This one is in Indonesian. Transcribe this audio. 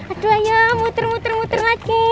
aduh ayo muter muter muter lagi